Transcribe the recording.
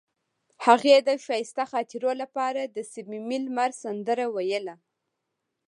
هغې د ښایسته خاطرو لپاره د صمیمي لمر سندره ویله.